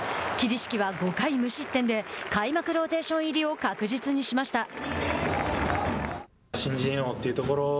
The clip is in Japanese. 桐敷は５回無失点で開幕ローテーション入りを確実にしました。